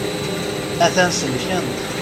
A-t-an selkent.